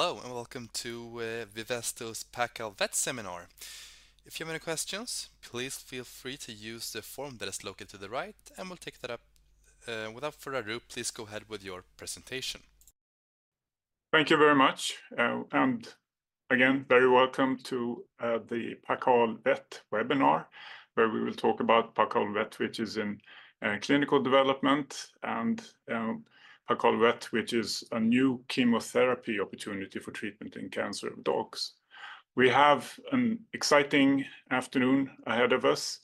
Hello and welcome to Vivesto's Paccal Vet seminar. If you have any questions, please feel free to use the form that is located to the right, and we'll take that up. Without further ado, please go ahead with your presentation. Thank you very much. And again, very welcome to the Paccal Vet webinar, where we will talk about Paccal Vet, which is in clinical development, and Paccal Vet, which is a new chemotherapy opportunity for treatment in cancer of dogs. We have an exciting afternoon ahead of us.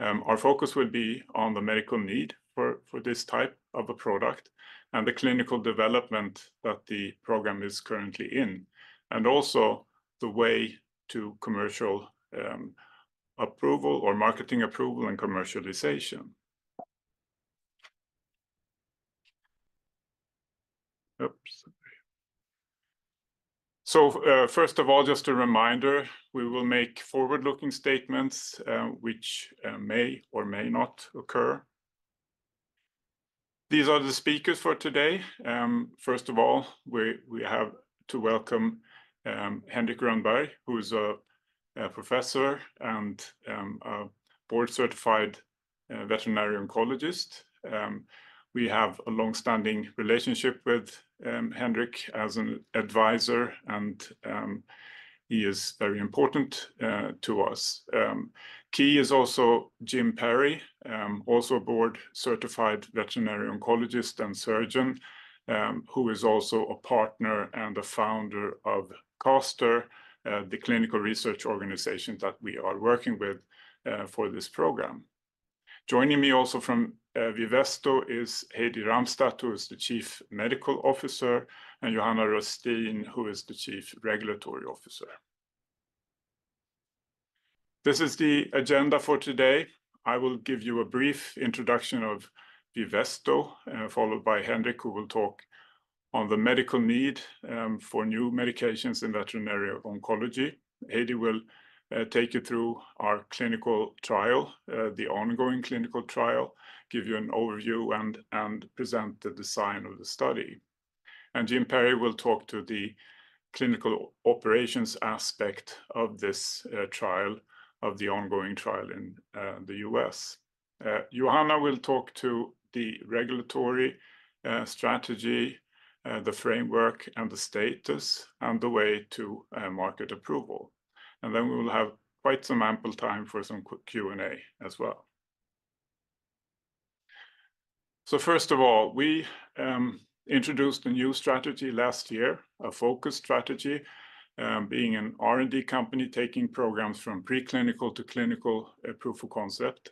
Our focus will be on the medical need for for this type of a product and the clinical development that the program is currently in, and also the way to commercial approval or marketing approval and commercialization. Oops, sorry. So, first of all, just a reminder: we will make forward-looking statements, which may or may not occur. These are the speakers for today. First of all, we we have to welcome Henrik Rönnberg, who is a professor and a board-certified veterinary oncologist. We have a longstanding relationship with Henrik as an advisor, and he is very important to us. Key is also Jim Perry, also a board-certified veterinary oncologist and surgeon, who is also a partner and a founder of CASTR, the clinical research organization that we are working with for this program. Joining me also from Vivesto is Heidi Ramstad, who is the Chief Medical Officer, and Johanna Röstin, who is the Chief Regulatory Officer. This is the agenda for today. I will give you a brief introduction of Vivesto, followed by Henrik, who will talk on the medical need for new medications in veterinary oncology. Heidi will take you through our clinical trial, the ongoing clinical trial, give you an overview, and present the design of the study. And Jim Perry will talk to the clinical operations aspect of this trial of the ongoing trial in the U.S. Johanna will talk to the regulatory strategy, the framework, and the status, and the way to market approval. And then we will have quite some ample time for some Q&A as well. So first of all, we introduced a new strategy last year, a focused strategy, being an R&D company taking programs from preclinical to clinical proof of concept.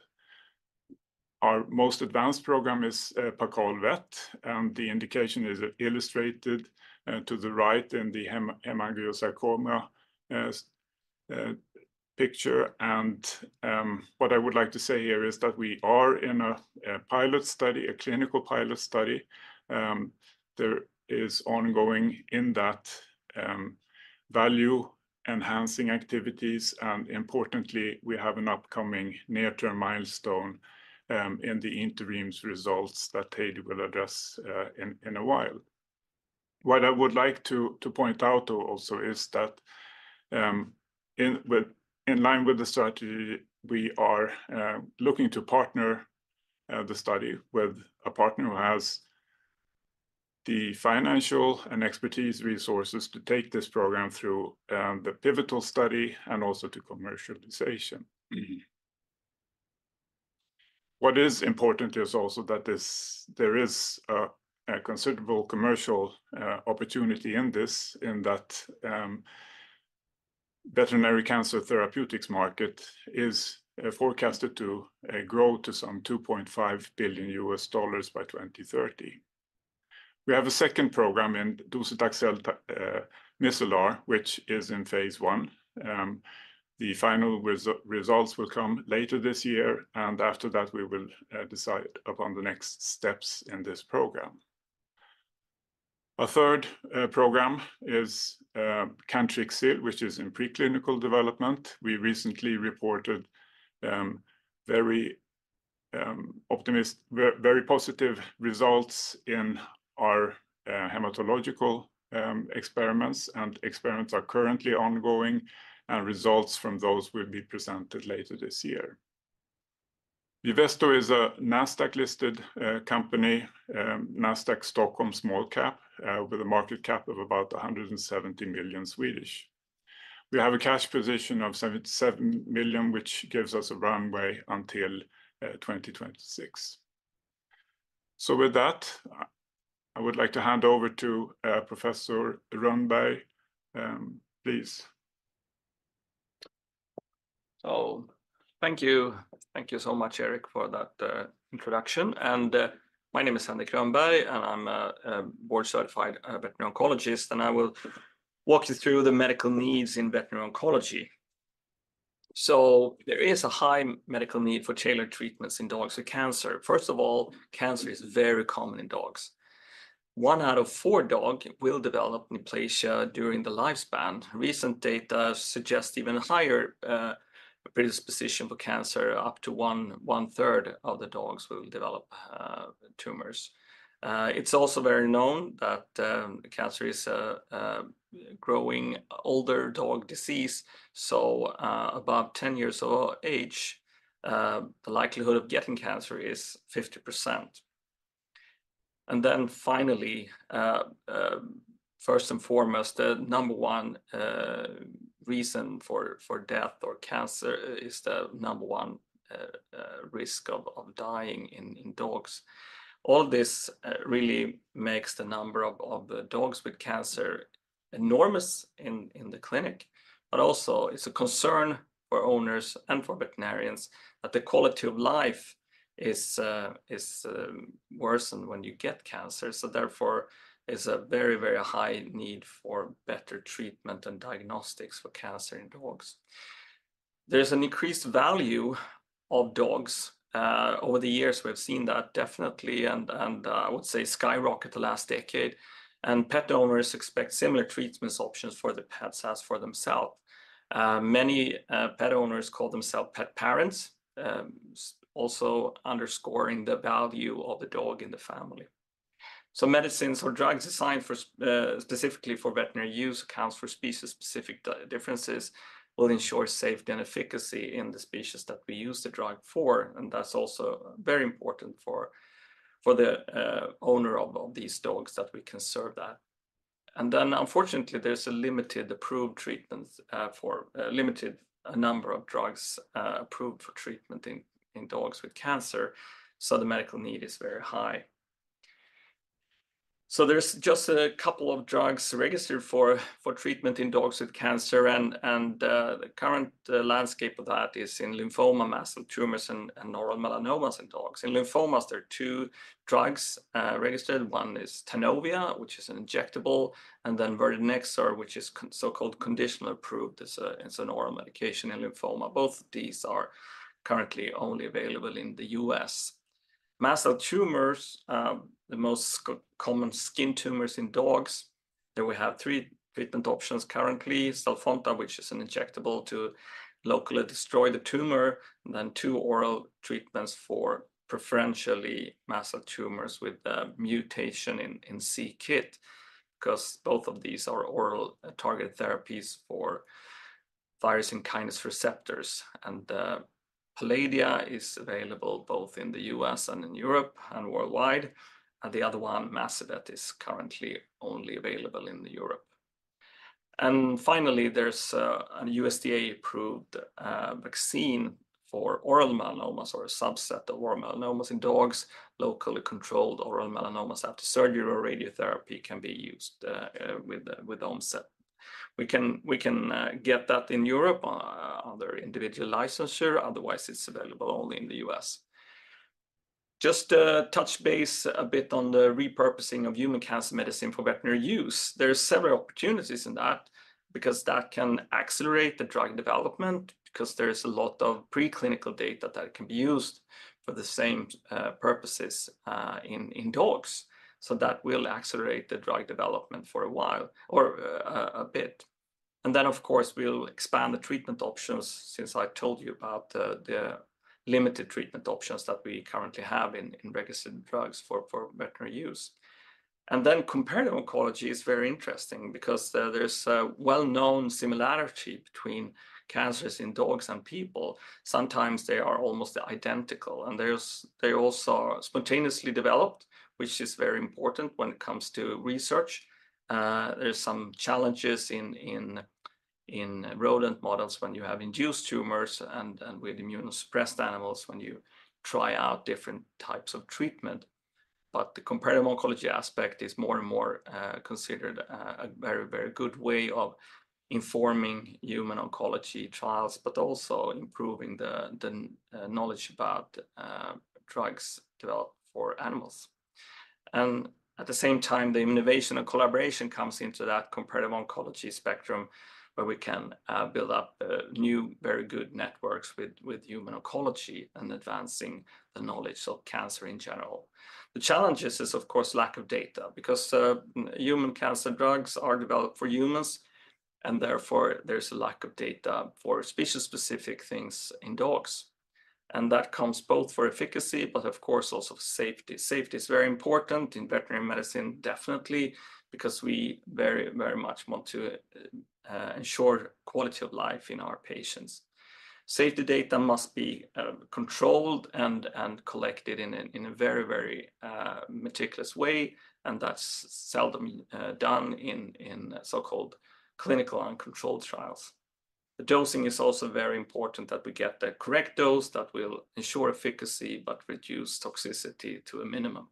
Our most advanced program is Paccal Vet, and the indication is illustrated to the right in the hemangiosarcoma picture. And what I would like to say here is that we are in a pilot study, a clinical pilot study. There is ongoing in that value enhancing activities. And importantly, we have an upcoming near-term milestone in the interim results that Heidi will address in a while. What I would like to point out also is that, in line with the strategy, we are looking to partner the study with a partner who has the financial and expertise resources to take this program through the pivotal study and also to commercialization. What is important is also that there is a considerable commercial opportunity in this, in that the veterinary cancer therapeutics market is forecasted to grow to some $2.5 billion by 2030. We have a second program in docetaxel micellar, which is in phase II. The final results will come later this year, and after that, we will decide upon the next steps in this program. A third program is Cantrixil, which is in preclinical development. We recently reported very optimistic, very positive results in our hematological experiments, and experiments are currently ongoing, and results from those will be presented later this year. Vivesto is a NASDAQ-listed company, NASDAQ Stockholm small cap, with a market cap of about 170 million. We have a cash position of 77 million, which gives us a runway until 2026. So with that, I would like to hand over to Professor Rönnberg, please. So thank you. Thank you so much, Erik, for that introduction. And my name is Henrik Rönnberg, and I'm a board-certified veterinary oncologist, and I will walk you through the medical needs in veterinary oncology. So there is a high medical need for tailored treatments in dogs with cancer. First of all, cancer is very common in dogs. One out of four dogs will develop neoplasia during the lifespan. Recent data suggest even higher predisposition for cancer. Up to one-third of the dogs will develop tumors. It's also very well known that cancer is a growing older dog disease. So above 10 years of age, the likelihood of getting cancer is 50%. And then finally, first and foremost, the number one reason for death, or cancer is the number one risk of dying in dogs. All this really makes the number of the dogs with cancer enormous in the clinic, but also it's a concern for owners and for veterinarians that the quality of life is worsened when you get cancer. So therefore is a very, very high need for better treatment and diagnostics for cancer in dogs. There's an increased value of dogs over the years. We've seen that definitely, and I would say skyrocket the last decade. And pet owners expect similar treatments options for the pets as for themselves. Many pet owners call themselves pet parents, also underscoring the value of the dog in the family. So medicines or drugs designed for specifically for veterinary use accounts for species-specific differences, will ensure safety and efficacy in the species that we use the drug for. That's also very important for the owner of these dogs that we can serve that. Then, unfortunately, there's a limited approved treatment for a limited number of drugs approved for treatment in dogs with cancer. So the medical need is very high. So there's just a couple of drugs registered for treatment in dogs with cancer. And the current landscape of that is in lymphoma, mast cell tumors, and oral melanomas in dogs. In lymphoma, there are two drugs registered. One is Tanovea, which is an injectable, and then verdinexor, which is so-called conditionally approved. It's an oral medication in lymphoma. Both these are currently only available in the U.S. Mast cell tumors, the most common skin tumors in dogs. There we have three treatment options currently: Stelfonta, which is an injectable to locally destroy the tumor, and then two oral treatments for preferentially mast cell tumors with a mutation in c-kit. Because both of these are oral targeted therapies for tyrosine kinase receptors. Palladia is available both in the U.S. and in Europe and worldwide. The other one, Masivet, is currently only available in Europe. Finally, there's a USDA-approved vaccine for oral melanomas or a subset of oral melanomas in dogs. Locally controlled oral melanomas after surgery or radiotherapy can be used with Oncept. We can get that in Europe under individual licensure. Otherwise, it's available only in the U.S.. Just to touch base a bit on the repurposing of human cancer medicine for veterinary use, there are several opportunities in that because that can accelerate the drug development, because there is a lot of preclinical data that can be used for the same purposes in dogs. So that will accelerate the drug development for a while or a bit. And then, of course, we'll expand the treatment options since I told you about the limited treatment options that we currently have in registered drugs for veterinary use. And then comparative oncology is very interesting because there's a well-known similarity between cancers in dogs and people. Sometimes they are almost identical, and they also are spontaneously developed, which is very important when it comes to research. There's some challenges in rodent models when you have induced tumors and with immunosuppressed animals when you try out different types of treatment. But the comparative oncology aspect is more and more considered a very, very good way of informing human oncology trials, but also improving the knowledge about drugs developed for animals. At the same time, the innovation and collaboration comes into that comparative oncology spectrum where we can build up new very good networks with human oncology and advancing the knowledge of cancer in general. The challenge is, of course, lack of data because human cancer drugs are developed for humans. Therefore, there's a lack of data for species-specific things in dogs. And that comes both for efficacy, but of course also for safety. Safety is very important in veterinary medicine, definitely, because we very, very much want to ensure quality of life in our patients. Safety data must be controlled and collected in a very, very meticulous way. That's seldom done in so-called clinical uncontrolled trials. The dosing is also very important that we get the correct dose that will ensure efficacy but reduce toxicity to a minimum.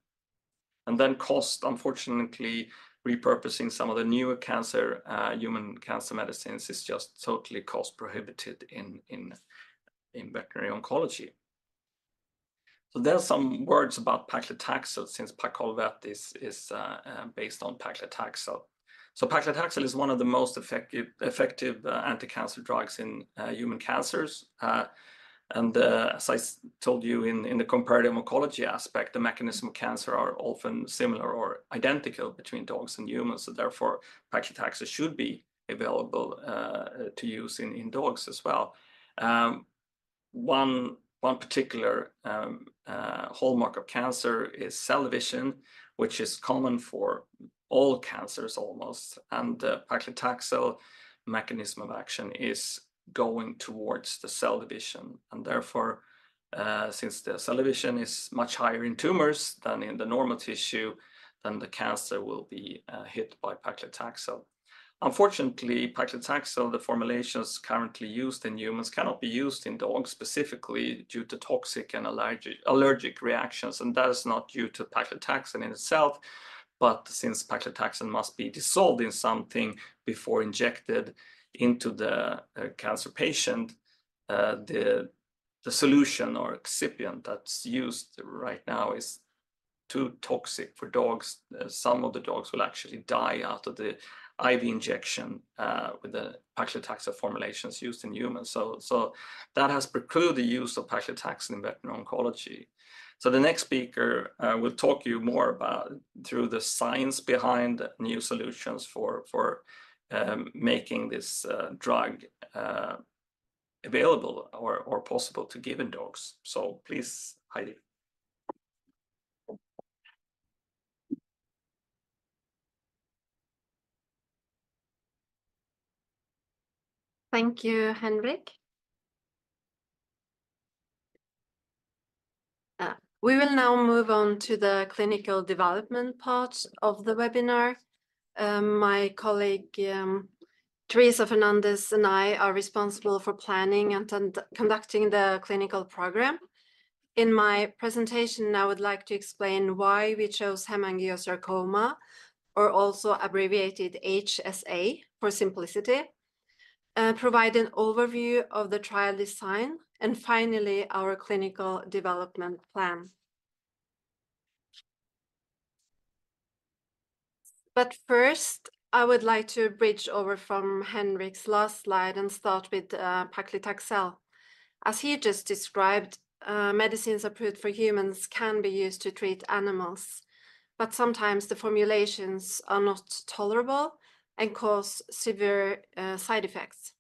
Then cost, unfortunately, repurposing some of the newer cancer, human cancer medicines is just totally cost prohibited in veterinary oncology. So there's some words about paclitaxel since Paccal Vet is based on paclitaxel. So paclitaxel is one of the most effective anti-cancer drugs in human cancers. As I told you in the comparative oncology aspect, the mechanism of cancer are often similar or identical between dogs and humans. So therefore, paclitaxel should be available to use in dogs as well. One particular hallmark of cancer is cell division, which is common for all cancers almost. Paclitaxel mechanism of action is going towards the cell division. Therefore, since the cell division is much higher in tumors than in the normal tissue, then the cancer will be hit by paclitaxel. Unfortunately, paclitaxel, the formulations currently used in humans cannot be used in dogs specifically due to toxic and allergic reactions. That is not due to paclitaxel in itself. But since paclitaxel must be dissolved in something before injected into the cancer patient, the solution or excipient that's used right now is too toxic for dogs. Some of the dogs will actually die out of the IV injection with the paclitaxel formulations used in humans. So that has precluded the use of paclitaxel in veterinary oncology. So the next speaker will talk to you more about through the science behind new solutions for making this drug available or possible to give in dogs. So please, Heidi. Thank you, Henrik. We will now move on to the clinical development part of the webinar. My colleague, Teresa Fernández and I are responsible for planning and conducting the clinical program. In my presentation, I would like to explain why we chose hemangiosarcoma, or also abbreviated HSA for simplicity. Provide an overview of the trial design, and finally, our clinical development plan. But first, I would like to bridge over from Henrik's last slide and start with paclitaxel. As he just described, medicines approved for humans can be used to treat animals. But sometimes the formulations are not tolerable and cause severe side effects.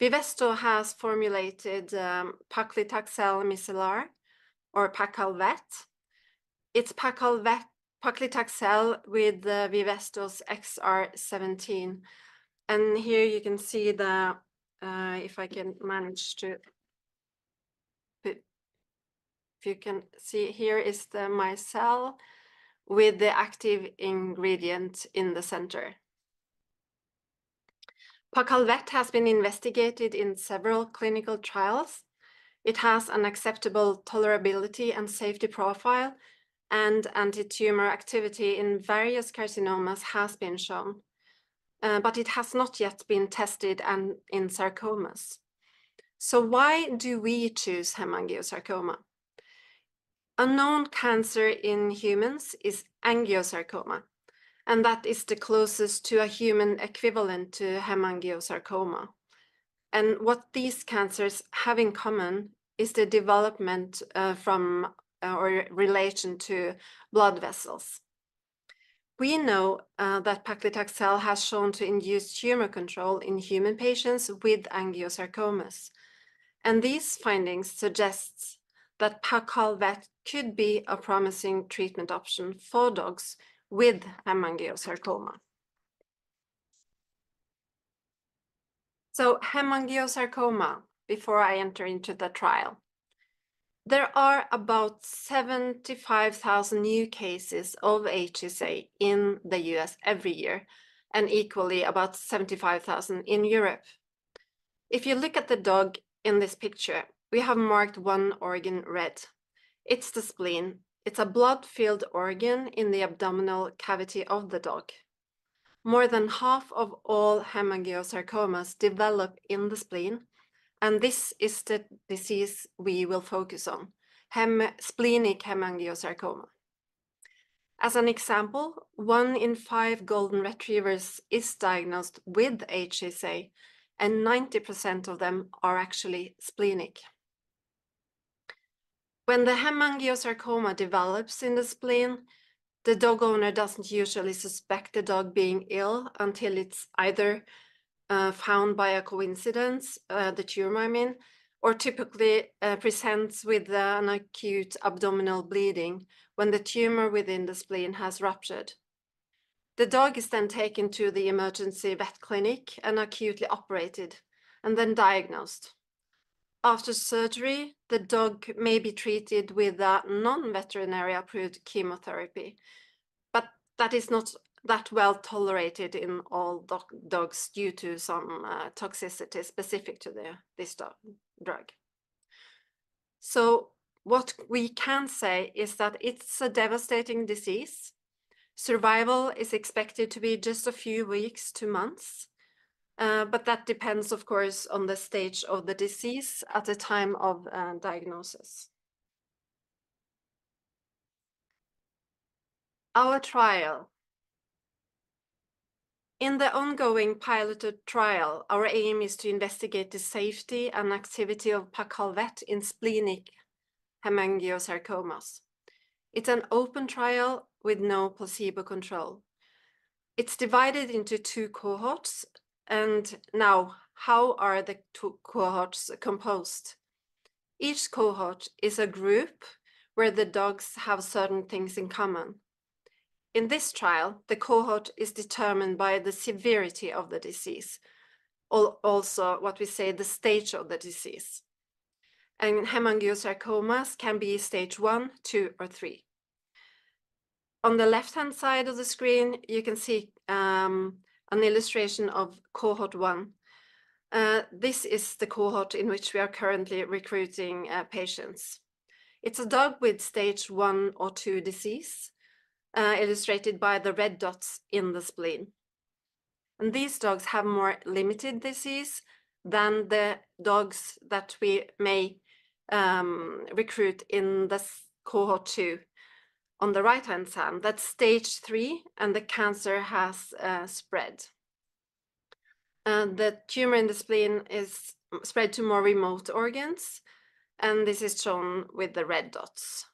Vivesto has formulated paclitaxel micellar, or Paccal Vet. It's paclitaxel with Vivesto's XR17. And here you can see the, if I can manage to put, if you can see, here is the micelle with the active ingredient in the center. Vet has been investigated in several clinical trials. It has an acceptable tolerability and safety profile, and anti-tumor activity in various carcinomas has been shown. But it has not yet been tested in sarcomas. So why do we choose hemangiosarcoma? Unknown cancer in humans is angiosarcoma. And that is the closest to a human equivalent to hemangiosarcoma. And what these cancers have in common is the development from or relation to blood vessels. We know that paclitaxel has shown to induce tumor control in human patients with angiosarcomas. And these findings suggest that Paccal Vet could be a promising treatment option for dogs with hemangiosarcoma. So hemangiosarcoma, before I enter into the trial. There are about 75,000 new cases of HSA in the U.S. every year, and equally about 75,000 in Europe. If you look at the dog in this picture, we have marked one organ red. It's the spleen. It's a blood-filled organ in the abdominal cavity of the dog. More than half of all hemangiosarcomas develop in the spleen. This is the disease we will focus on: splenic hemangiosarcoma. As an example, one in five Golden Retrievers is diagnosed with HSA, and 90% of them are actually splenic. When the hemangiosarcoma develops in the spleen, the dog owner doesn't usually suspect the dog being ill until it's either found by a coincidence, the tumor I mean, or typically presents with an acute abdominal bleeding when the tumor within the spleen has ruptured. The dog is then taken to the emergency vet clinic and acutely operated and then diagnosed. After surgery, the dog may be treated with non-veterinary-approved chemotherapy. That is not that well tolerated in all dogs due to some toxicity specific to this drug. What we can say is that it's a devastating disease. Survival is expected to be just a few weeks to months. But that depends, of course, on the stage of the disease at the time of diagnosis. Our trial. In the ongoing pilot trial, our aim is to investigate the safety and activity of Paccal Vet in splenic hemangiosarcomas. It's an open trial with no placebo control. It's divided into two cohorts. And now, how are the two cohorts composed? Each cohort is a group where the dogs have certain things in common. In this trial, the cohort is determined by the severity of the disease. Or also, what we say, the stage of the disease. And hemangiosarcomas can be stage I, II, or III. On the left-hand side of the screen, you can see an illustration of cohort one. This is the cohort in which we are currently recruiting patients. It's a dog with stage I or II disease, illustrated by the red dots in the spleen. These dogs have more limited disease than the dogs that we may recruit in the cohort two. On the right-hand side, that's stage III, and the cancer has spread. The tumor in the spleen is spread to more remote organs. This is shown with the red dots.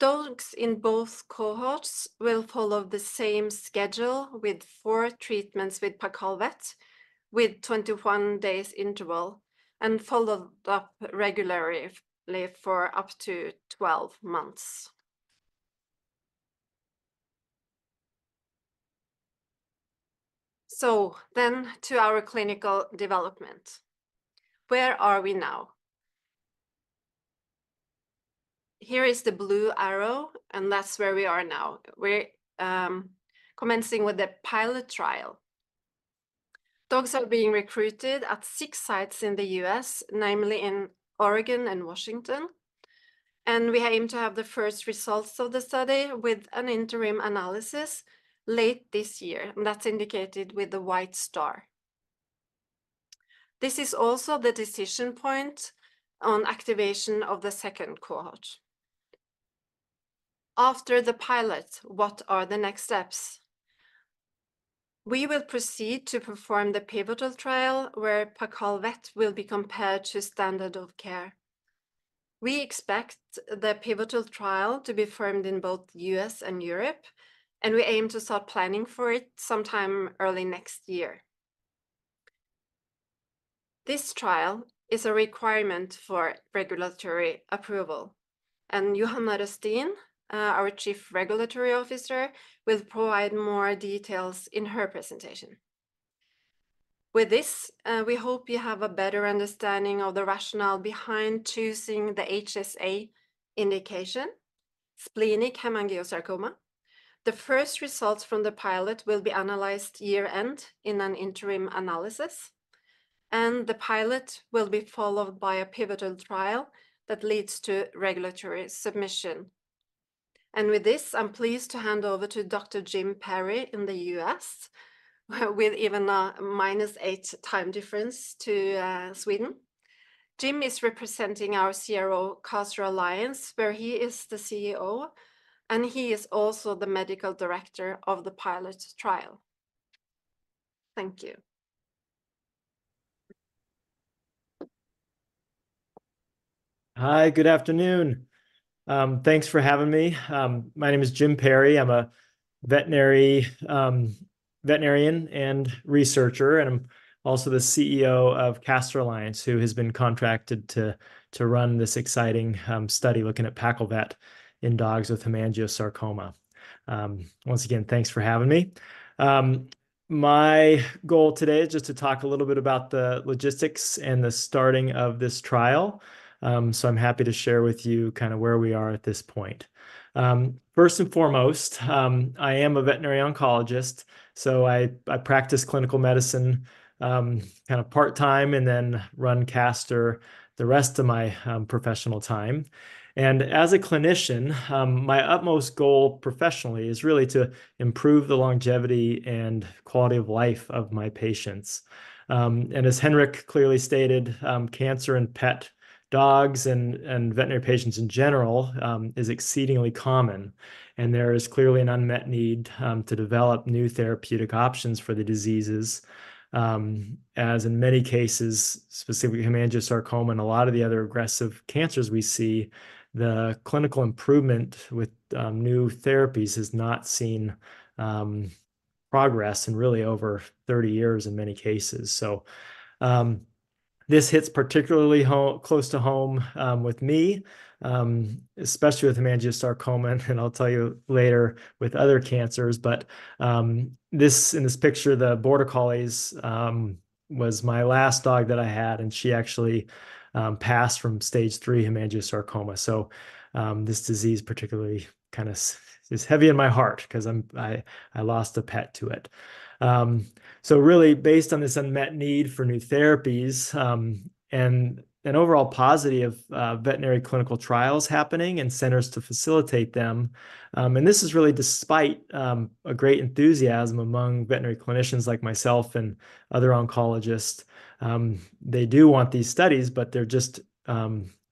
Dogs in both cohorts will follow the same schedule with four treatments with Paccal Vet, with 21 days interval, and follow up regularly for up to 12 months. So then to our clinical development. Where are we now? Here is the blue arrow, and that's where we are now. We're commencing with the pilot trial. Dogs are being recruited at six sites in the U.S., namely in Oregon and Washington. We aim to have the first results of the study with an interim analysis late this year. That's indicated with the white star. This is also the decision point on activation of the second cohort. After the pilot, what are the next steps? We will proceed to perform the pivotal trial where Paccal Vet will be compared to standard of care. We expect the pivotal trial to be run in both the U.S. and Europe. We aim to start planning for it sometime early next year. This trial is a requirement for regulatory approval. Johanna Röstin, our Chief Regulatory Officer, will provide more details in her presentation. With this, we hope you have a better understanding of the rationale behind choosing the HSA indication, splenic hemangiosarcoma. The first results from the pilot will be analyzed year-end in an interim analysis. The pilot will be followed by a pivotal trial that leads to regulatory submission. With this, I'm pleased to hand over to Dr. Jim Perry in the U.S., with even a minus eight time difference to Sweden. Jim is representing our CRO, CASTR Alliance, where he is the CEO. He is also the medical director of the pilot trial. Thank you. Hi, good afternoon. Thanks for having me. My name is Jim Perry. I'm a veterinarian and researcher, and I'm also the CEO of CASTR Alliance, who has been contracted to run this exciting study looking at Paccal Vet in dogs with hemangiosarcoma. Once again, thanks for having me. My goal today is just to talk a little bit about the logistics and the starting of this trial. So I'm happy to share with you kind of where we are at this point. First and foremost, I am a veterinary oncologist. So I practice clinical medicine kind of part-time and then run CASTR the rest of my professional time. As Henrik clearly stated, cancer in pet dogs and veterinary patients in general is exceedingly common. There is clearly an unmet need to develop new therapeutic options for the diseases. As in many cases, specifically hemangiosarcoma and a lot of the other aggressive cancers we see, the clinical improvement with new therapies has not seen progress in really over 30 years in many cases. So this hits particularly close to home with me, especially with hemangiosarcoma. And I'll tell you later with other cancers. But this, in this picture, the Border Collie was my last dog that I had, and she actually passed from stage III hemangiosarcoma. So this disease particularly kind of is heavy on my heart because I lost a pet to it. So really, based on this unmet need for new therapies and an overall positive veterinary clinical trials happening and centers to facilitate them. And this is really despite a great enthusiasm among veterinary clinicians like myself and other oncologists. They do want these studies, but they're just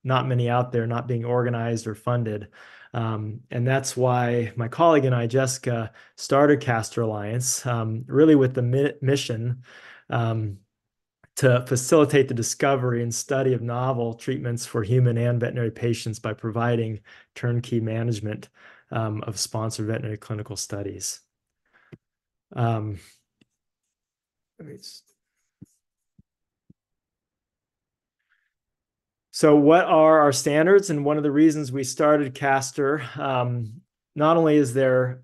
not many out there, not being organized or funded. That's why my colleague and I, Jessica, started CASTR Alliance, really with the mission to facilitate the discovery and study of novel treatments for human and veterinary patients by providing turnkey management of sponsored veterinary clinical studies. So what are our standards? One of the reasons we started CASTR Alliance, not only is there,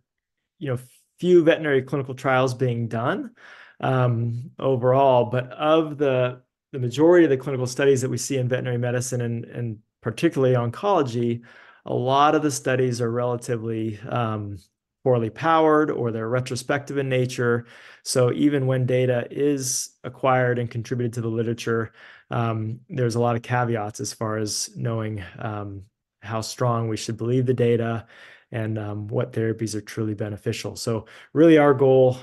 you know, few veterinary clinical trials being done overall, but of the majority of the clinical studies that we see in veterinary medicine and particularly oncology, a lot of the studies are relatively poorly powered or they're retrospective in nature. So even when data is acquired and contributed to the literature, there's a lot of caveats as far as knowing how strong we should believe the data and what therapies are truly beneficial. So really, our goal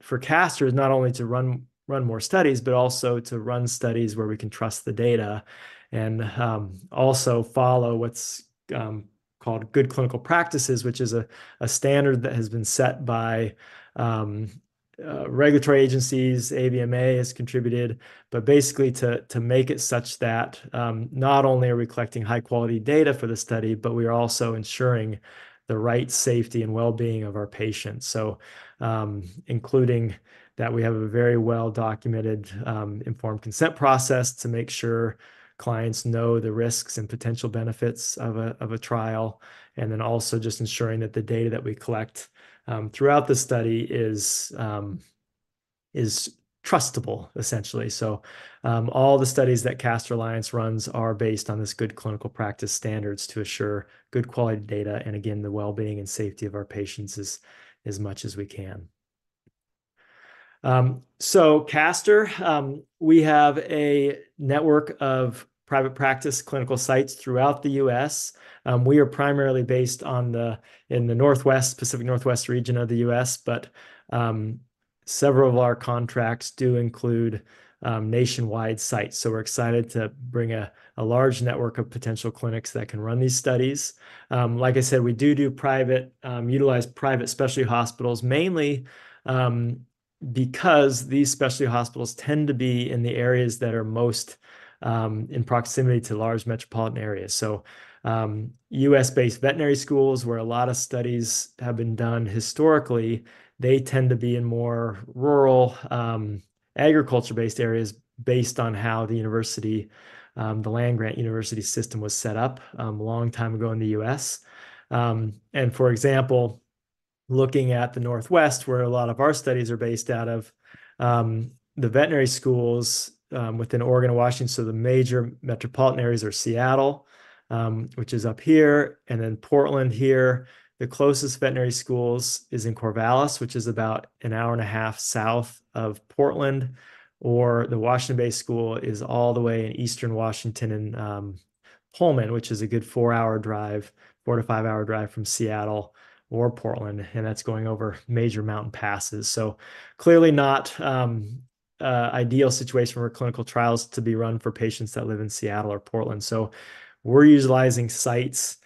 for CASTR is not only to run more studies, but also to run studies where we can trust the data and also follow what's called Good Clinical Practices, which is a standard that has been set by regulatory agencies. AVMA has contributed, but basically to make it such that not only are we collecting high-quality data for the study, but we are also ensuring the right safety and well-being of our patients. So including that we have a very well-documented informed consent process to make sure clients know the risks and potential benefits of a trial. And then also just ensuring that the data that we collect throughout the study is trustable, essentially. So all the studies that CASTR Alliance runs are based on this good clinical practice standards to assure good quality data and, again, the well-being and safety of our patients as much as we can. So CASTR, we have a network of private practice clinical sites throughout the U.S. We are primarily based in the Northwest, Pacific Northwest region of the U.S., but several of our contracts do include nationwide sites. So we're excited to bring a large network of potential clinics that can run these studies. Like I said, we utilize private specialty hospitals, mainly because these specialty hospitals tend to be in the areas that are most in proximity to large metropolitan areas. So U.S.-based veterinary schools where a lot of studies have been done historically, they tend to be in more rural agriculture-based areas based on how the university, the land grant university system was set up a long time ago in the U.S. And for example, looking at the Northwest, where a lot of our studies are based out of, the veterinary schools within Oregon and Washington, so the major metropolitan areas are Seattle, which is up here, and then Portland here. The closest veterinary schools is in Corvallis, which is about an hour and a half south of Portland. Or the Washington-based school is all the way in eastern Washington in Pullman, which is a good four-hour drive, four- to five-hour drive from Seattle or Portland. And that's going over major mountain passes. Clearly not an ideal situation for clinical trials to be run for patients that live in Seattle or Portland. We're utilizing sites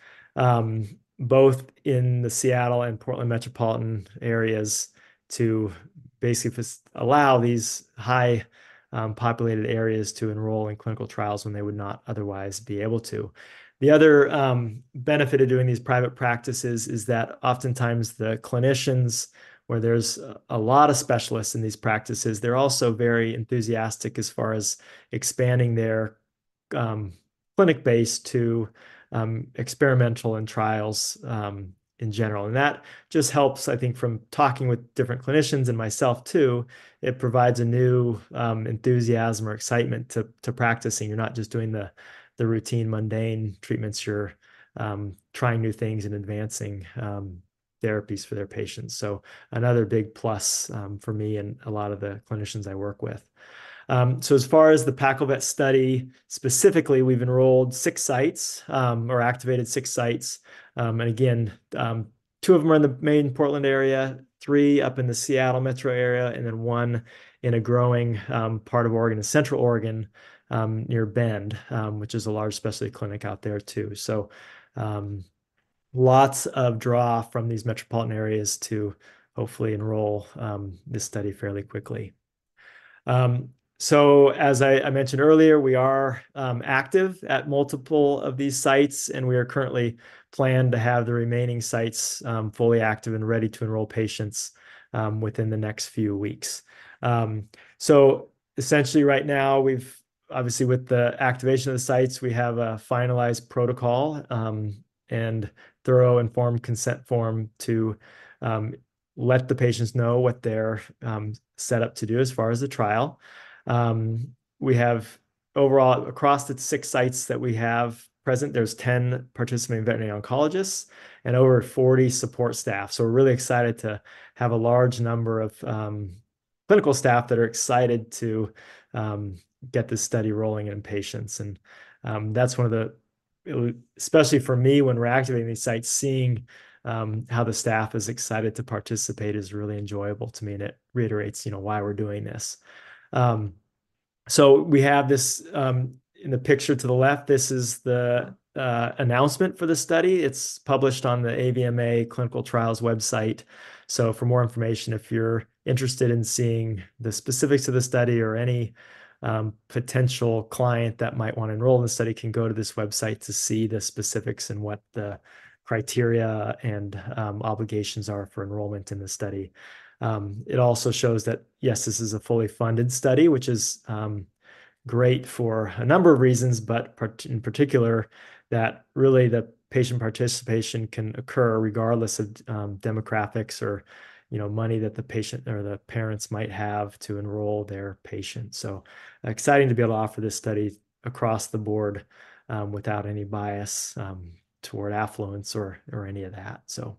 both in the Seattle and Portland metropolitan areas to basically allow these high-populated areas to enroll in clinical trials when they would not otherwise be able to. The other benefit of doing these private practices is that oftentimes the clinicians, where there's a lot of specialists in these practices, they're also very enthusiastic as far as expanding their clinic base to experimental and trials in general. That just helps, I think, from talking with different clinicians and myself too. It provides a new enthusiasm or excitement to practicing. You're not just doing the routine, mundane treatments. You're trying new things and advancing therapies for their patients. Another big plus for me and a lot of the clinicians I work with. As far as the Paccal Vet study specifically, we've enrolled six sites or activated six sites. Again, two of them are in the main Portland area, three up in the Seattle metro area, and then one in a growing part of Oregon, central Oregon, near Bend, which is a large specialty clinic out there too. Lots of draw from these metropolitan areas to hopefully enroll this study fairly quickly. As I mentioned earlier, we are active at multiple of these sites, and we are currently planned to have the remaining sites fully active and ready to enroll patients within the next few weeks. Essentially right now, we've obviously with the activation of the sites, we have a finalized protocol and thorough informed consent form to let the patients know what they're set up to do as far as the trial. We have overall across the six sites that we have present, there's 10 participating veterinary oncologists and over 40 support staff. So we're really excited to have a large number of clinical staff that are excited to get this study rolling in patients. And that's one of the, especially for me, when we're activating these sites, seeing how the staff is excited to participate is really enjoyable to me. And it reiterates, you know, why we're doing this. So we have this in the picture to the left. This is the announcement for the study. It's published on the AVMA Clinical Trials website. So for more information, if you're interested in seeing the specifics of the study or any potential client that might want to enroll in the study, can go to this website to see the specifics and what the criteria and obligations are for enrollment in the study. It also shows that, yes, this is a fully funded study, which is great for a number of reasons, but in particular that really the patient participation can occur regardless of demographics or, you know, money that the patient or the parents might have to enroll their patient. So exciting to be able to offer this study across the board without any bias toward affluence or any of that. So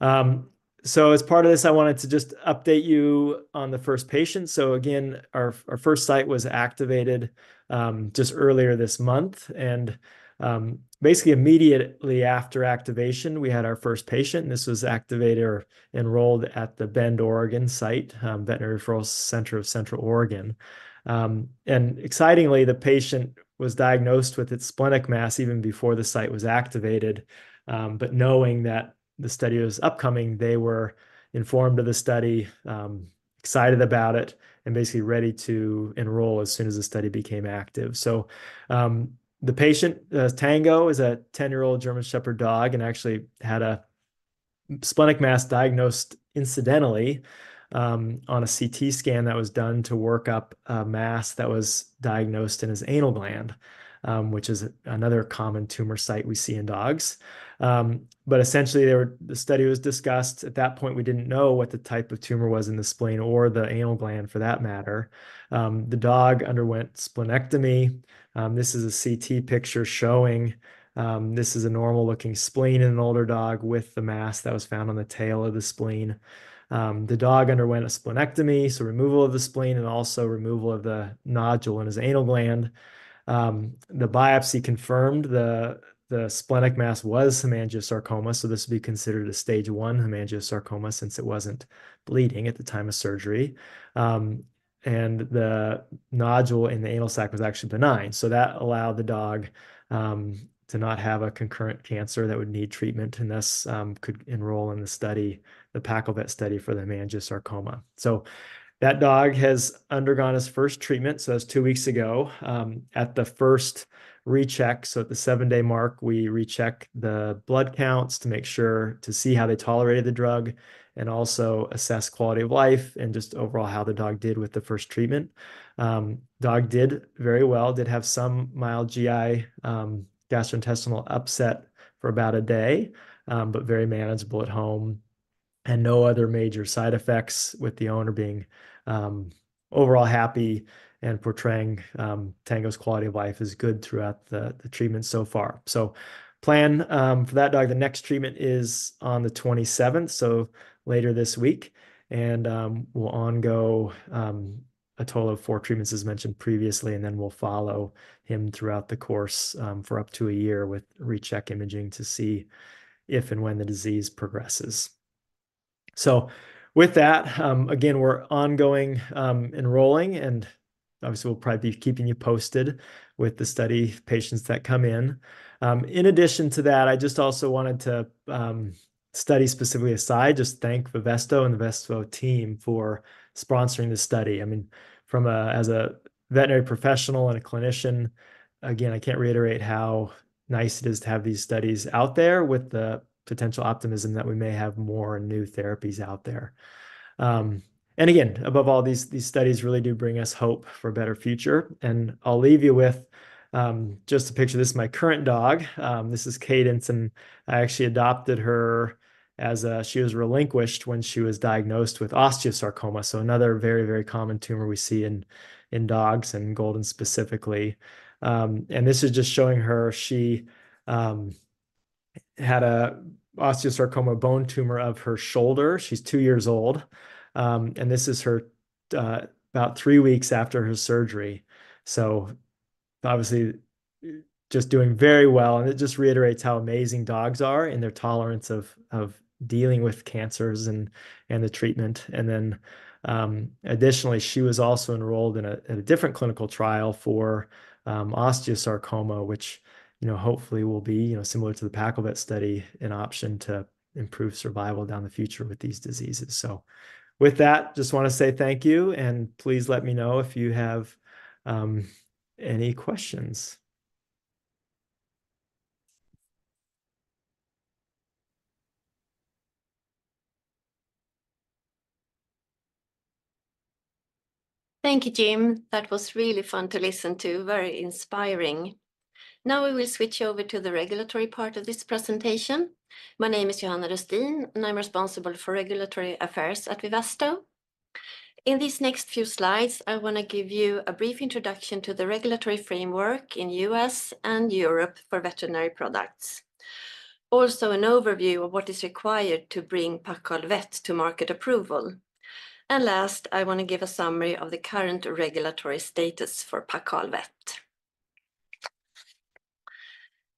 as part of this, I wanted to just update you on the first patient. So again, our first site was activated just earlier this month. And basically immediately after activation, we had our first patient. This was activated or enrolled at the Bend, Oregon site, Veterinary Referral Center of Central Oregon. And excitingly, the patient was diagnosed with its splenic mass even before the site was activated. But knowing that the study was upcoming, they were informed of the study, excited about it, and basically ready to enroll as soon as the study became active. So the patient, Tango, is a 10-year-old German Shepherd dog and actually had a splenic mass diagnosed incidentally on a CT scan that was done to work up a mass that was diagnosed in his anal gland, which is another common tumor site we see in dogs. But essentially, the study was discussed. At that point, we didn't know what the type of tumor was in the spleen or the anal gland, for that matter. The dog underwent splenectomy. This is a CT picture showing this is a normal-looking spleen in an older dog with the mass that was found on the tail of the spleen. The dog underwent a splenectomy, so removal of the spleen and also removal of the nodule in his anal gland. The biopsy confirmed the splenic mass was hemangiosarcoma. This would be considered a stage I hemangiosarcoma since it wasn't bleeding at the time of surgery. The nodule in the anal sac was actually benign. That allowed the dog to not have a concurrent cancer that would need treatment and thus could enroll in the study, the Paccal Vet study for the hemangiosarcoma. That dog has undergone his first treatment. That was two weeks ago at the first recheck. At the seven-day mark, we recheck the blood counts to make sure to see how they tolerated the drug and also assess quality of life and just overall how the dog did with the first treatment. Dog did very well, did have some mild GI, gastrointestinal upset for about a day, but very manageable at home. No other major side effects with the owner being overall happy and portraying Tango's quality of life as good throughout the treatment so far. The plan for that dog, the next treatment is on the 27th, so later this week. We'll undergo a total of four treatments, as mentioned previously, and then we'll follow him throughout the course for up to a year with recheck imaging to see if and when the disease progresses. With that, again, we're ongoing enrolling, and obviously we'll probably be keeping you posted with the study patients that come in. In addition to that, I just also wanted to say specifically aside, just thank Vivesto and the Vivesto team for sponsoring this study. I mean, from a veterinary professional and a clinician, again, I can't reiterate how nice it is to have these studies out there with the potential optimism that we may have more new therapies out there. And again, above all, these studies really do bring us hope for a better future. And I'll leave you with just a picture. This is my current dog. This is Cadence, and I actually adopted her as she was relinquished when she was diagnosed with osteosarcoma. So another very, very common tumor we see in dogs and golden specifically. And this is just showing her she had an osteosarcoma bone tumor of her shoulder. She's two years old. And this is her about three weeks after her surgery. So obviously just doing very well. And it just reiterates how amazing dogs are in their tolerance of dealing with cancers and the treatment. And then additionally, she was also enrolled in a different clinical trial for osteosarcoma, which, you know, hopefully will be, you know, similar to the Paccal Vet study, an option to improve survival down the future with these diseases. So with that, just want to say thank you. And please let me know if you have any questions. Thank you, Jim. That was really fun to listen to. Very inspiring. Now we will switch over to the regulatory part of this presentation. My name is Johanna Röstin, and I'm responsible for regulatory affairs at Vivesto. In these next few slides, I want to give you a brief introduction to the regulatory framework in the U.S. and Europe for veterinary products. Also an overview of what is required to bring Paccal Vet to market approval. And last, I want to give a summary of the current regulatory status for Paccal Vet.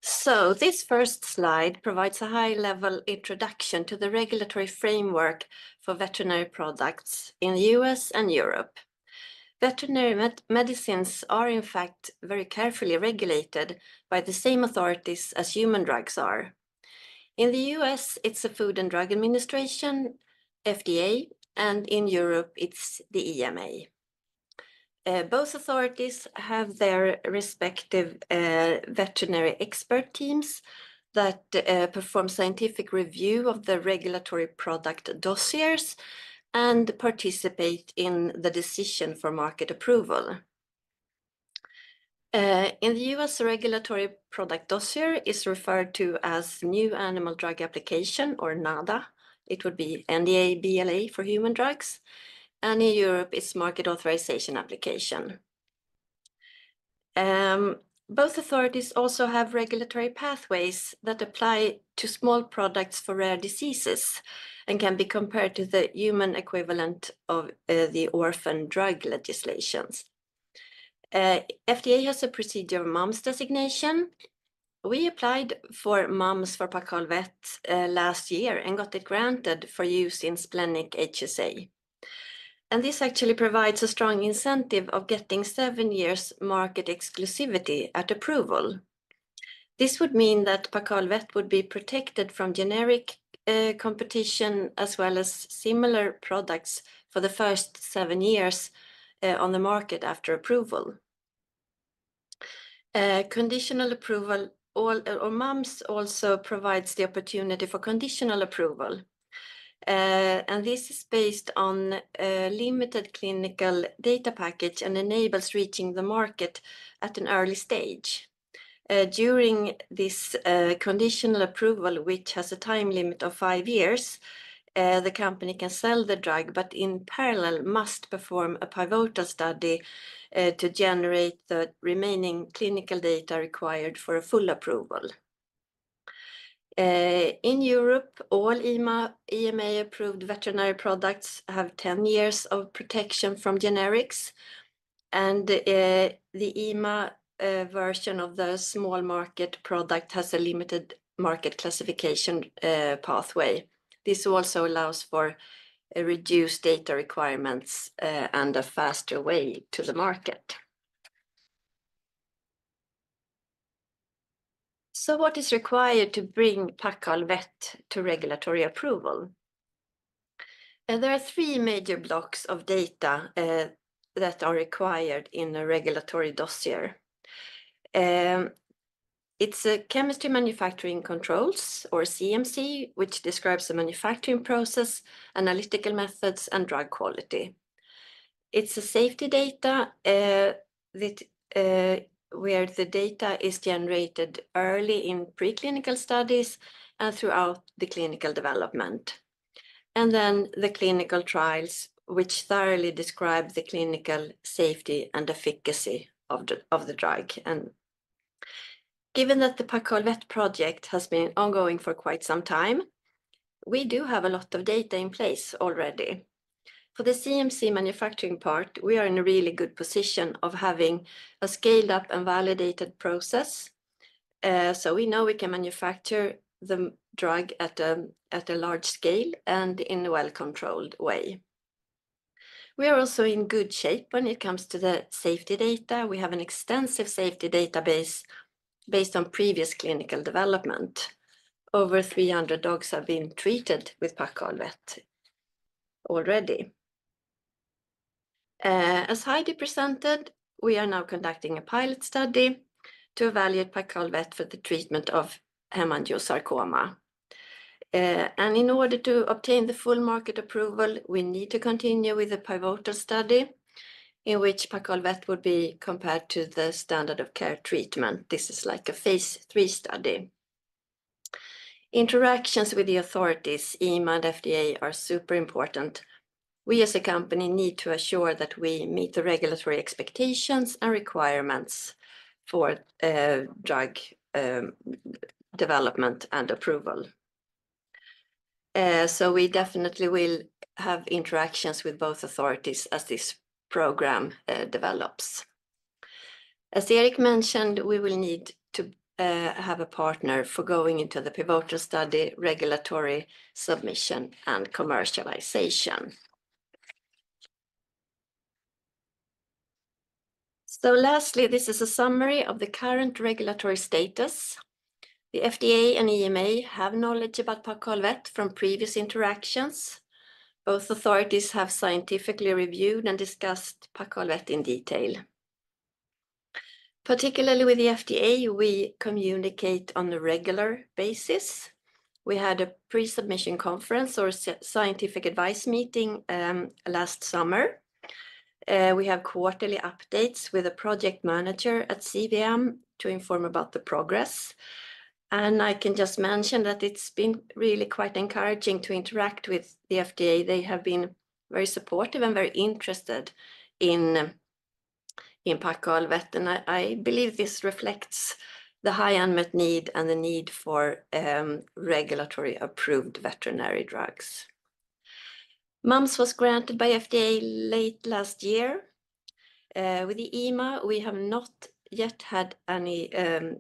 So this first slide provides a high-level introduction to the regulatory framework for veterinary products in the U.S. and Europe. Veterinary medicines are, in fact, very carefully regulated by the same authorities as human drugs are. In the U.S., it's the Food and Drug Administration, FDA, and in Europe, it's the EMA. Both authorities have their respective veterinary expert teams that perform scientific review of the regulatory product dossiers and participate in the decision for market approval. In the U.S., the regulatory product dossier is referred to as New Animal Drug Application or NADA. It would be NDA, BLA for human drugs. In Europe, it's Marketing Authorization Application. Both authorities also have regulatory pathways that apply to small products for rare diseases and can be compared to the human equivalent of the orphan drug legislations. FDA has a procedure of MUMS designation. We applied for MUMS for Paccal Vet last year and got it granted for use in splenic HSA. This actually provides a strong incentive of getting seven years market exclusivity at approval. This would mean that Paccal Vet would be protected from generic competition as well as similar products for the first seven years on the market after approval. Conditional approval or MUMS also provides the opportunity for conditional approval. This is based on a limited clinical data package and enables reaching the market at an early stage. During this conditional approval, which has a time limit of five years, the company can sell the drug but in parallel must perform a pivotal study to generate the remaining clinical data required for a full approval. In Europe, all EMA-approved veterinary products have 10 years of protection from generics. The EMA version of the small market product has a limited market classification pathway. This also allows for reduced data requirements and a faster way to the market. What is required to bring Paccal Vet to regulatory approval? There are three major blocks of data that are required in a regulatory dossier. It's chemistry manufacturing controls or CMC, which describes the manufacturing process, analytical methods, and drug quality. It's safety data where the data is generated early in preclinical studies and throughout the clinical development. Then the clinical trials, which thoroughly describe the clinical safety and efficacy of the drug. Given that the Paccal Vet project has been ongoing for quite some time, we do have a lot of data in place already. For the CMC manufacturing part, we are in a really good position of having a scaled up and validated process. We know we can manufacture the drug at a large scale and in a well-controlled way. We are also in good shape when it comes to the safety data. We have an extensive safety database based on previous clinical development. Over 300 dogs have been treated with Paccal Vet already. As Heidi presented, we are now conducting a pilot study to evaluate Paccal Vet for the treatment of hemangiosarcoma. In order to obtain the full market approval, we need to continue with a pivotal study in which Paccal Vet would be compared to the standard of care treatment. This is like a phase III study. Interactions with the authorities, EMA, and FDA are super important. We as a company need to assure that we meet the regulatory expectations and requirements for drug development and approval. We definitely will have interactions with both authorities as this program develops. As Erik mentioned, we will need to have a partner for going into the pivotal study, regulatory submission, and commercialization. Lastly, this is a summary of the current regulatory status. The FDA and EMA have knowledge about Paccal Vet from previous interactions. Both authorities have scientifically reviewed and discussed Paccal Vet in detail. Particularly with the FDA, we communicate on a regular basis. We had a pre-submission conference or scientific advice meeting last summer. We have quarterly updates with the project manager at CVM to inform about the progress. I can just mention that it's been really quite encouraging to interact with the FDA. They have been very supportive and very interested in Paccal Vet. I believe this reflects the high unmet need and the need for regulatory-approved veterinary drugs. MUMS was granted by FDA late last year. With the EMA, we have not yet had any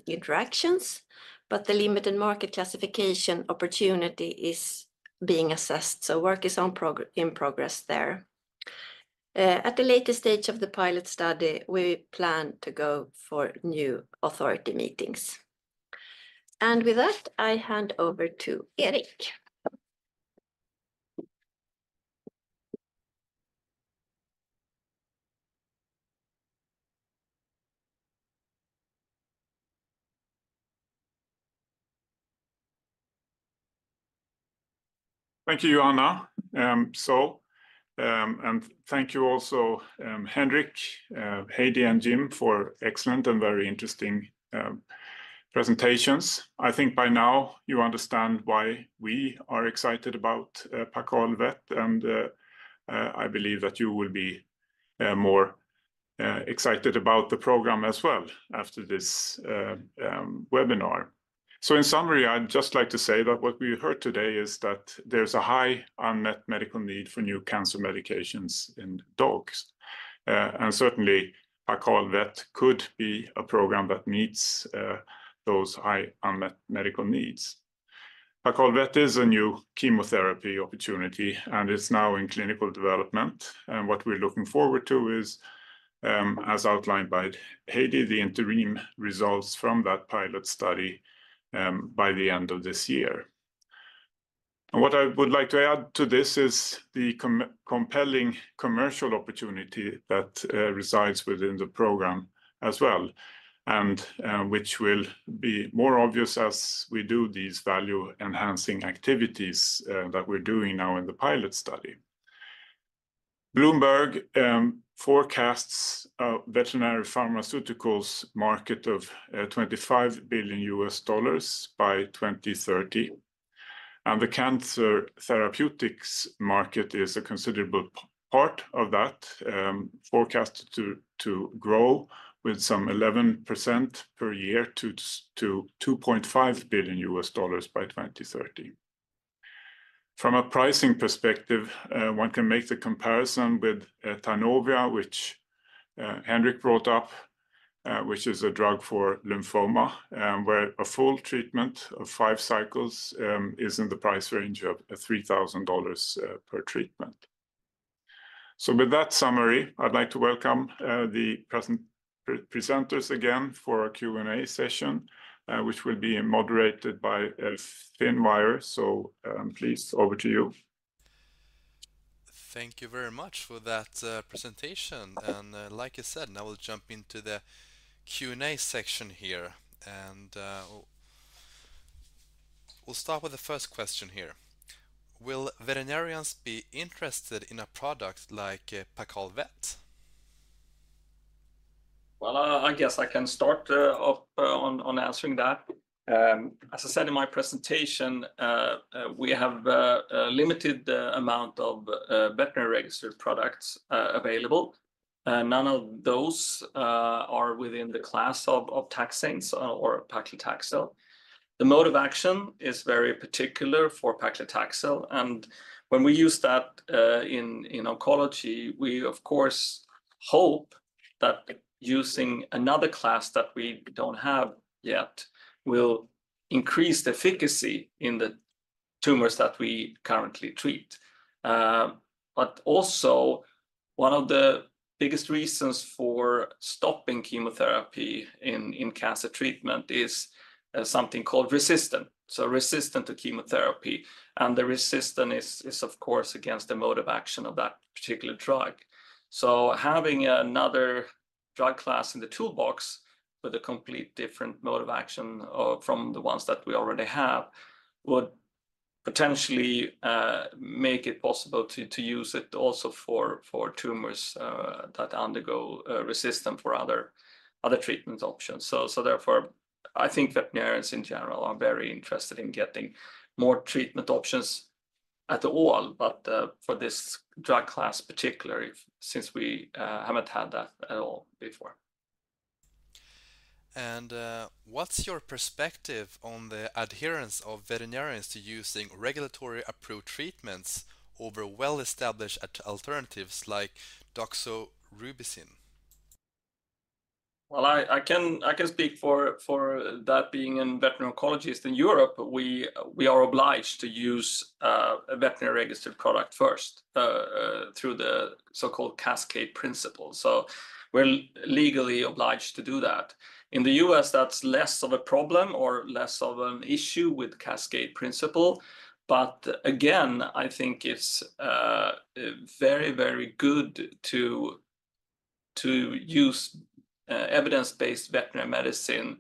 interactions, but the limited market classification opportunity is being assessed. Work is in progress there. At the latest stage of the pilot study, we plan to go for new authority meetings. And with that, I hand over to Erik. Thank you, Johanna. And thank you also, Henrik, Heidi, and Jim for excellent and very interesting presentations. I think by now you understand why we are excited about Paccal Vet. And I believe that you will be more excited about the program as well after this webinar. So in summary, I'd just like to say that what we heard today is that there's a high unmet medical need for new cancer medications in dogs. And certainly, Paccal Vet could be a program that meets those high unmet medical needs. Paccal Vet is a new chemotherapy opportunity, and it's now in clinical development. And what we're looking forward to is, as outlined by Heidi, the interim results from that pilot study by the end of this year. What I would like to add to this is the compelling commercial opportunity that resides within the program as well, and which will be more obvious as we do these value-enhancing activities that we're doing now in the pilot study. Bloomberg forecasts a veterinary pharmaceuticals market of $25 billion by 2030. The cancer therapeutics market is a considerable part of that, forecast to grow with some 11% per year to $2.5 billion by 2030. From a pricing perspective, one can make the comparison with Tanovea, which Henrik brought up, which is a drug for lymphoma, where a full treatment of five cycles is in the price range of $3,000 per treatment. With that summary, I'd like to welcome the present presenters again for our Q&A session, which will be moderated by Finn Meyer. Please, over to you. Thank you very much for that presentation. Like I said, now we'll jump into the Q&A section here. We'll start with the first question here. Will veterinarians be interested in a product like Paccal Vet? Well, I guess I can start up on answering that. As I said in my presentation, we have a limited amount of veterinary-registered products available. None of those are within the class of taxane or paclitaxel. The mode of action is very particular for paclitaxel. And when we use that in oncology, we, of course, hope that using another class that we don't have yet will increase the efficacy in the tumors that we currently treat. But also, one of the biggest reasons for stopping chemotherapy in cancer treatment is something called resistance. So resistance to chemotherapy. And the resistance is, of course, against the mode of action of that particular drug. So having another drug class in the toolbox with a completely different mode of action from the ones that we already have would potentially make it possible to use it also for tumors that undergo resistance for other treatment options. So therefore, I think veterinarians in general are very interested in getting more treatment options at all, but for this drug class particularly, since we haven't had that at all before. What's your perspective on the adherence of veterinarians to using regulatory-approved treatments over well-established alternatives like doxorubicin? Well, I can speak for that being a veterinary oncologist. In Europe, we are obliged to use a veterinary-registered product first through the so-called Cascade Principle. So we're legally obliged to do that. In the U.S., that's less of a problem or less of an issue with the Cascade Principle. But again, I think it's very, very good to use evidence-based veterinary medicine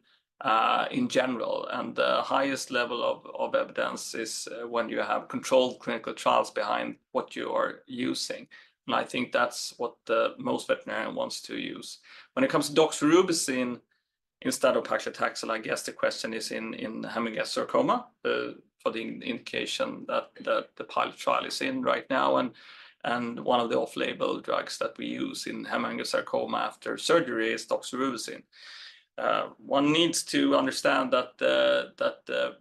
in general. And the highest level of evidence is when you have controlled clinical trials behind what you are using. And I think that's what most veterinarians want to use. When it comes to doxorubicin instead of paclitaxel, I guess the question is in Hemangiosarcoma for the indication that the pilot trial is in right now. And one of the off-label drugs that we use in Hemangiosarcoma after surgery is doxorubicin. One needs to understand that the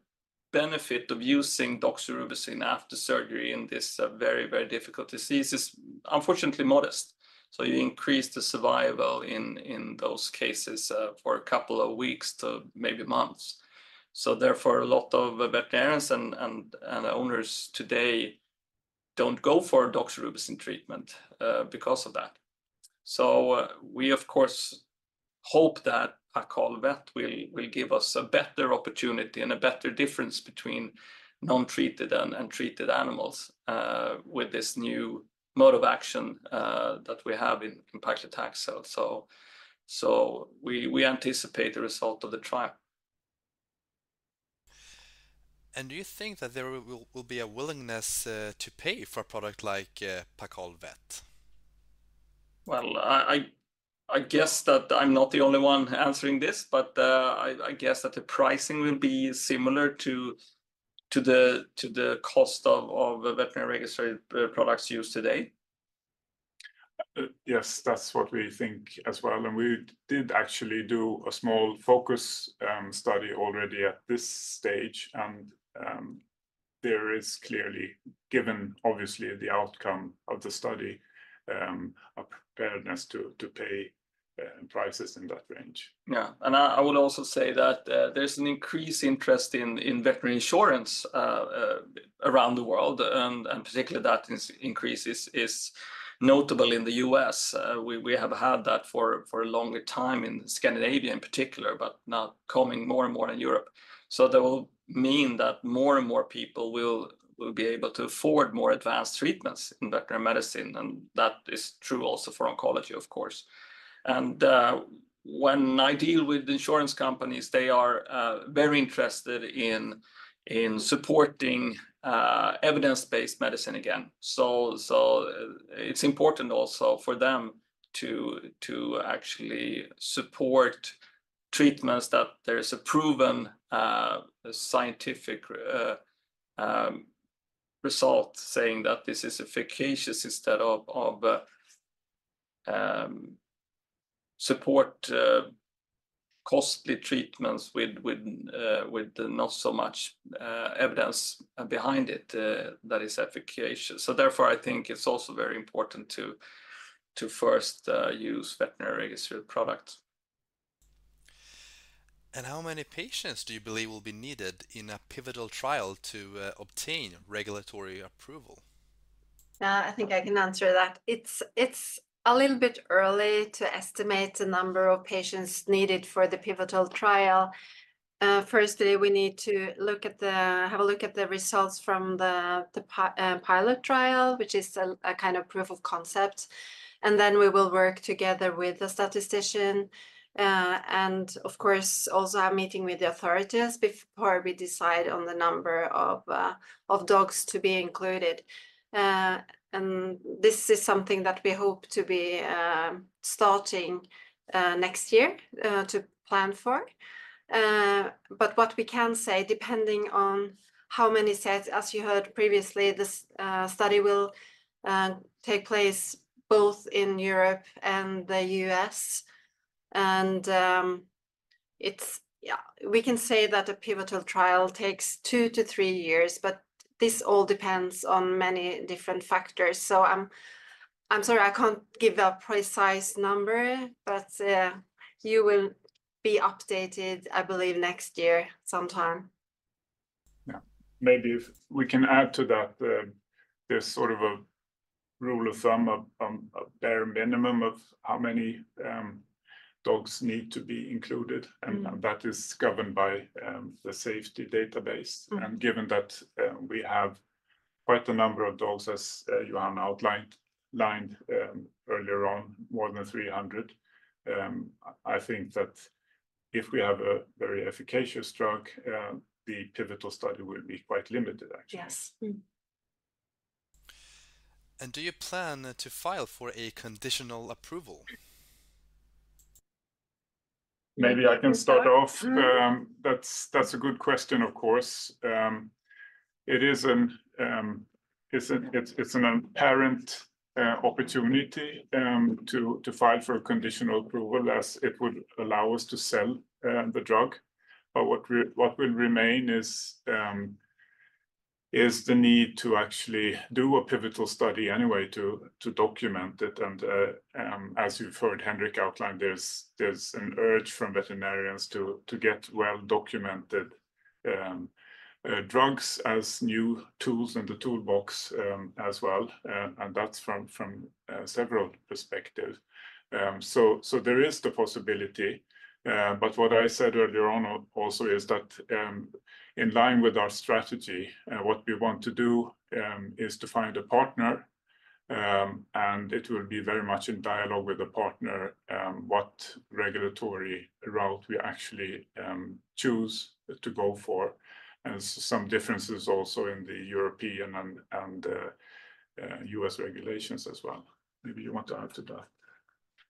benefit of using doxorubicin after surgery in this very, very difficult disease is unfortunately modest. So you increase the survival in those cases for a couple of weeks to maybe months. So therefore, a lot of veterinarians and owners today don't go for doxorubicin treatment because of that. So we, of course, hope that Paccal Vet will give us a better opportunity and a better difference between non-treated and treated animals with this new mode of action that we have in paclitaxel. So we anticipate the result of the trial. Do you think that there will be a willingness to pay for a product like Paccal Vet? Well, I guess that I'm not the only one answering this, but I guess that the pricing will be similar to the cost of veterinary-registered products used today. Yes, that's what we think as well. And we did actually do a small focus study already at this stage. And there is clearly, given obviously the outcome of the study, a preparedness to pay prices in that range. Yeah. And I would also say that there's an increased interest in veterinary insurance around the world. And particularly that increase is notable in the U.S. We have had that for a longer time in Scandinavia in particular, but now coming more and more in Europe. So that will mean that more and more people will be able to afford more advanced treatments in veterinary medicine. And that is true also for oncology, of course. And when I deal with insurance companies, they are very interested in supporting evidence-based medicine again. So it's important also for them to actually support treatments that there is a proven scientific result saying that this is efficacious instead of support costly treatments with not so much evidence behind it that is efficacious. So therefore, I think it's also very important to first use veterinary-registered products. How many patients do you believe will be needed in a pivotal trial to obtain regulatory approval? I think I can answer that. It's a little bit early to estimate the number of patients needed for the pivotal trial. Firstly, we need to have a look at the results from the pilot trial, which is a kind of proof of concept. Then we will work together with the statistician. And of course, also have a meeting with the authorities before we decide on the number of dogs to be included. This is something that we hope to be starting next year to plan for. But what we can say, depending on how many sites, as you heard previously, this study will take place both in Europe and the U.S. We can say that a pivotal trial takes two to three years, but this all depends on many different factors. I'm sorry, I can't give a precise number, but you will be updated, I believe, next year sometime. Yeah. Maybe if we can add to that this sort of a rule of thumb, a bare minimum of how many dogs need to be included. That is governed by the safety database. Given that we have quite a number of dogs, as Johanna outlined earlier on, more than 300, I think that if we have a very efficacious drug, the pivotal study will be quite limited, actually. Yes. Do you plan to file for a Conditional Approval? Maybe I can start off. That's a good question, of course. It is an apparent opportunity to file for a conditional approval as it would allow us to sell the drug. But what will remain is the need to actually do a pivotal study anyway to document it. And as you've heard Henrik outline, there's an urge from veterinarians to get well-documented drugs as new tools in the toolbox as well. And that's from several perspectives. So there is the possibility. But what I said earlier on also is that in line with our strategy, what we want to do is to find a partner. And it will be very much in dialogue with the partner what regulatory route we actually choose to go for. And some differences also in the European and U.S. regulations as well. Maybe you want to add to that.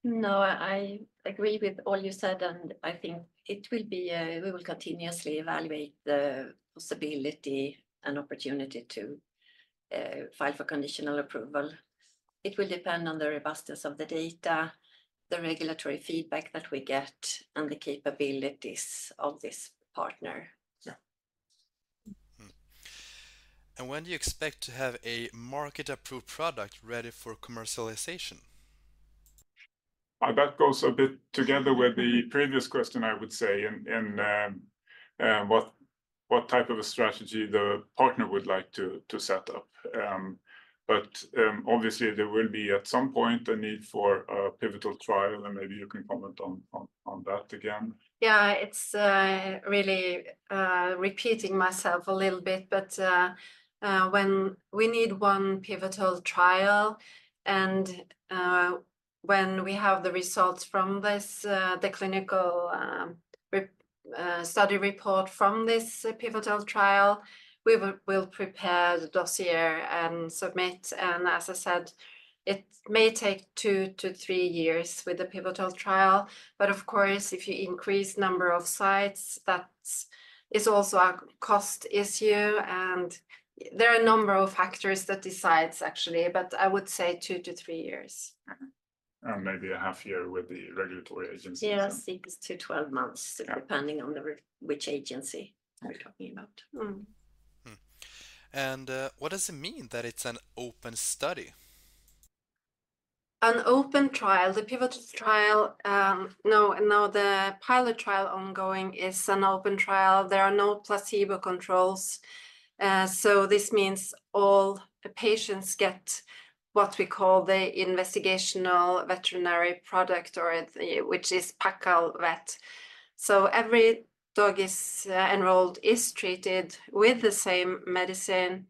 No, I agree with all you said. I think we will continuously evaluate the possibility and opportunity to file for Conditional Approval. It will depend on the robustness of the data, the regulatory feedback that we get, and the capabilities of this partner. Yeah. And when do you expect to have a market-approved product ready for commercialization? That goes a bit together with the previous question, I would say, in what type of a strategy the partner would like to set up. But obviously, there will be at some point a need for a pivotal trial. And maybe you can comment on that again. Yeah, it's really repeating myself a little bit. But when we need one pivotal trial, and when we have the results from this, the clinical study report from this pivotal trial, we will prepare the dossier and submit. And as I said, it may take two to three years with the pivotal trial. But of course, if you increase the number of sites, that is also a cost issue. And there are a number of factors that decide, actually. But I would say two to three years. Maybe a half year with the regulatory agencies as well. Yes, it's six to twelve months, depending on which agency we're talking about. What does it mean that it's an open study? An open trial. The pivotal trial now, the pilot trial ongoing is an open trial. There are no placebo controls. So this means all patients get what we call the investigational veterinary product, which is Paccal Vet. So every dog enrolled is treated with the same medicine.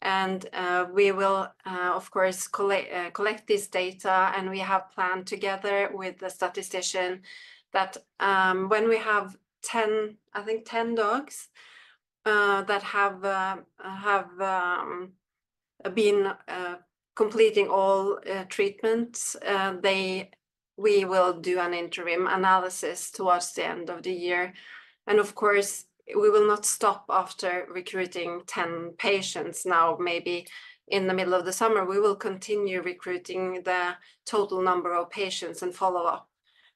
And we will, of course, collect this data. And we have planned together with the statistician that when we have 10, I think 10 dogs that have been completing all treatments, we will do an interim analysis towards the end of the year. And of course, we will not stop after recruiting 10 patients now, maybe in the middle of the summer. We will continue recruiting the total number of patients and follow up.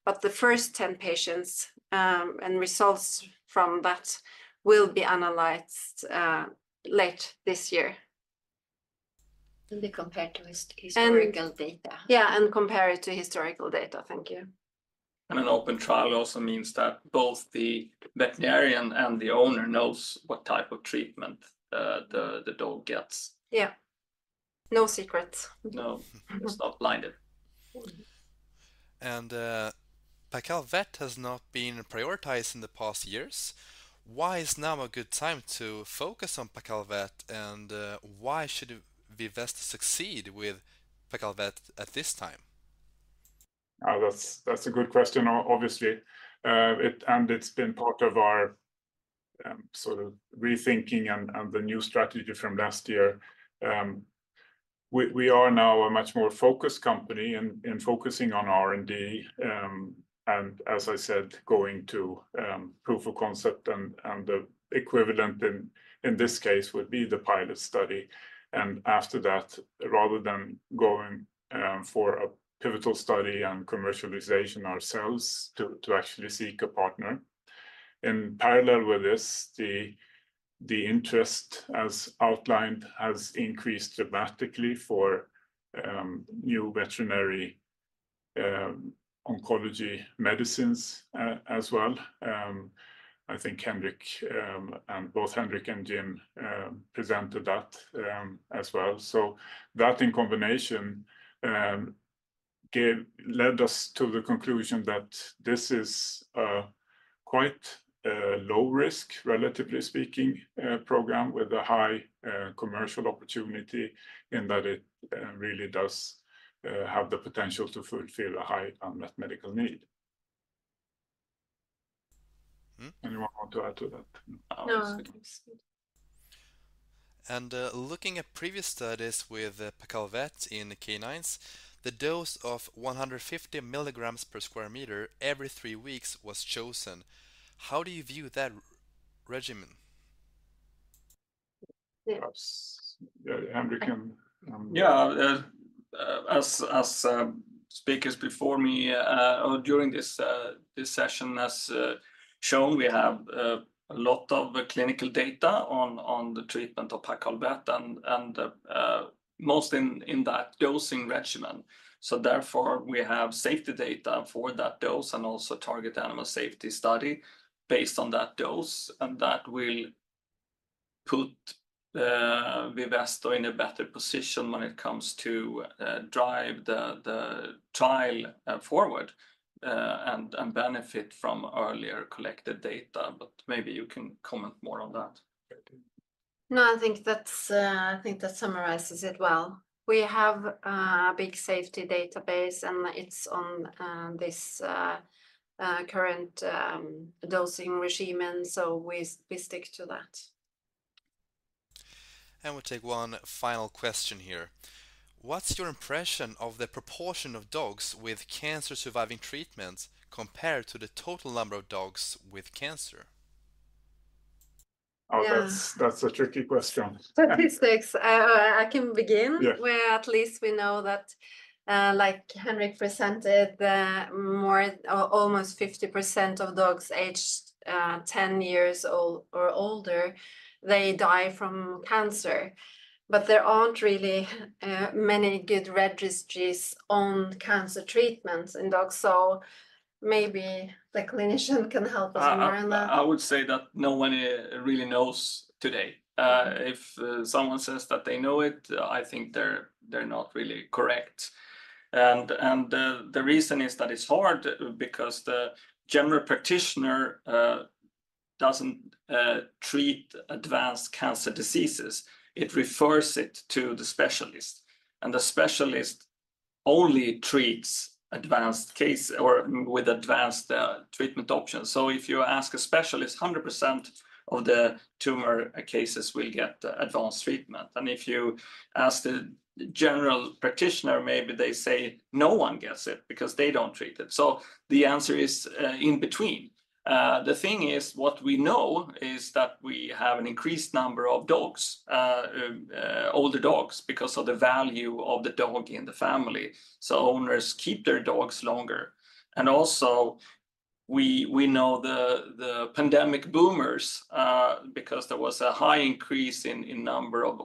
But the first 10 patients and results from that will be analyzed late this year. And they compare to historical data. Yeah, and compare it to historical data. Thank you. An open trial also means that both the veterinarian and the owner know what type of treatment the dog gets. Yeah. No secrets. No, it's not blinded. Paccal Vet has not been prioritized in the past years. Why is now a good time to focus on Paccal Vet? Why should Vivesto succeed with Paccal Vet at this time? That's a good question, obviously. It's been part of our sort of rethinking and the new strategy from last year. We are now a much more focused company in focusing on R&D. As I said, going to proof of concept and the equivalent in this case would be the pilot study. After that, rather than going for a pivotal study and commercialization ourselves, to actually seek a partner. In parallel with this, the interest, as outlined, has increased dramatically for new veterinary oncology medicines as well. I think both Henrik and Jim presented that as well. So that, in combination, led us to the conclusion that this is a quite low-risk, relatively speaking, program with a high commercial opportunity in that it really does have the potential to fulfill a high unmet medical need. Anyone want to add to that? No. Looking at previous studies with Paccal Vet in canines, the dose of 150 milligrams per square meter every three weeks was chosen. How do you view that regimen? Yeah, Henrik can. Yeah. As speakers before me during this session, as shown, we have a lot of clinical data on the treatment of Paccal Vet, most in that dosing regimen. So therefore, we have safety data for that dose and also target animal safety study based on that dose. And that will put Vivesto in a better position when it comes to drive the trial forward and benefit from earlier collected data. But maybe you can comment more on that. No, I think that summarizes it well. We have a big safety database, and it's on this current dosing regimen. So we stick to that. We'll take one final question here. What's your impression of the proportion of dogs with cancer-surviving treatments compared to the total number of dogs with cancer? Oh, that's a tricky question. Statistics. I can begin where at least we know that, like Henrik presented, almost 50% of dogs aged 10 years or older, they die from cancer. But there aren't really many good registries on cancer treatments in dogs. So maybe the clinician can help us more on that. I would say that no one really knows today. If someone says that they know it, I think they're not really correct. The reason is that it's hard because the general practitioner doesn't treat advanced cancer diseases. It refers it to the specialist. The specialist only treats advanced cases or with advanced treatment options. So if you ask a specialist, 100% of the tumor cases will get advanced treatment. If you ask the general practitioner, maybe they say no one gets it because they don't treat it. So the answer is in between. The thing is, what we know is that we have an increased number of older dogs because of the value of the dog in the family. So owners keep their dogs longer. Also, we know the pandemic boomers because there was a high increase in number of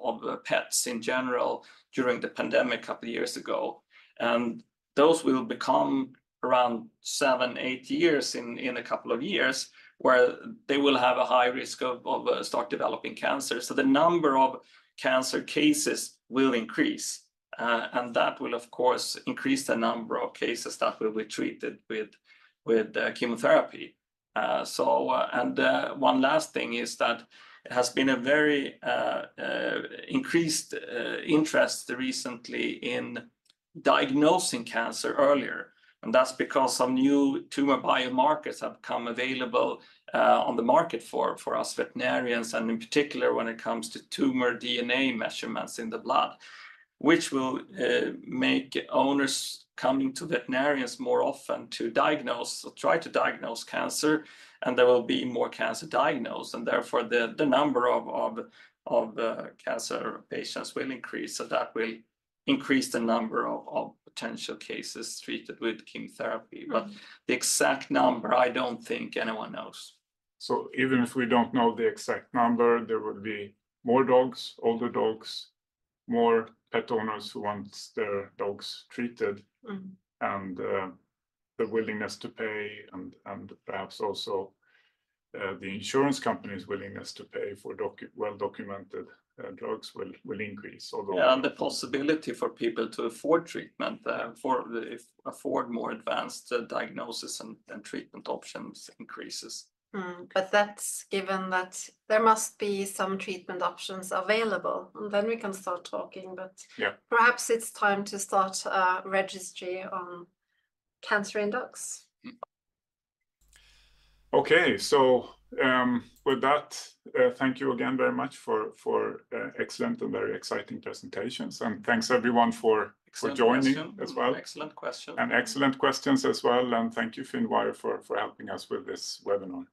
pets in general during the pandemic a couple of years ago. Those will become around seven, eight years in a couple of years where they will have a high risk of start developing cancer. So the number of cancer cases will increase. That will, of course, increase the number of cases that will be treated with chemotherapy. One last thing is that it has been a very increased interest recently in diagnosing cancer earlier. That's because some new tumor biomarkers have become available on the market for us veterinarians, and in particular when it comes to tumor DNA measurements in the blood, which will make owners coming to veterinarians more often to diagnose or try to diagnose cancer. There will be more cancer diagnosed. Therefore, the number of cancer patients will increase. That will increase the number of potential cases treated with chemotherapy. The exact number, I don't think anyone knows. So even if we don't know the exact number, there will be more dogs, older dogs, more pet owners who want their dogs treated. The willingness to pay and perhaps also the insurance company's willingness to pay for well-documented drugs will increase, although. The possibility for people to afford treatment, if afford more advanced diagnosis and treatment options, increases. That's given that there must be some treatment options available. Then we can start talking. But perhaps it's time to start a registry on cancer in dogs. Okay. With that, thank you again very much for excellent and very exciting presentations. Thanks, everyone, for joining as well. Excellent questions. Excellent questions as well. Thank you, Finn Meyer, for helping us with this webinar.